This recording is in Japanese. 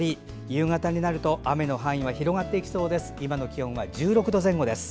夕方になると雨の範囲は広がってきそうです。